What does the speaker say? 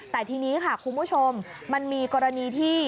แต่ทีนี้ค่ะคุณผู้ชมมันมีกรณีที่